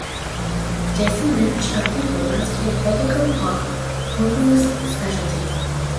Jason Lynch of "People" has called bubblegum pop Hoku's speciality.